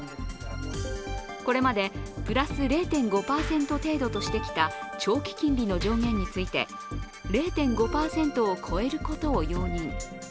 これまでプラス０．５％程度としてきた長期金利の上限について０．５％を超えることを容認。